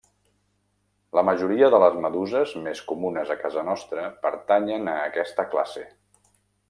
La majoria de les meduses més comunes a casa nostra pertanyen a aquesta classe.